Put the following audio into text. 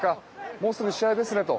もうすぐ試合ですね、と